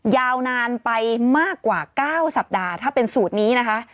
ยาวนานไปมากกว่า๙สัปดาห์ถ้าเป็นสูตรนี้นะคะ